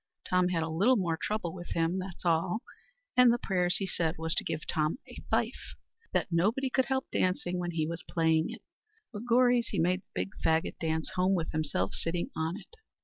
Tom had a little more trouble with him that's all; and the prayers he said, was to give Tom a fife, that nobody could help dancing when he was playing it. Begorries, he made the big faggot dance home, with himself sitting on it.